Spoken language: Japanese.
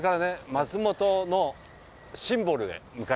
松本のシンボルですか？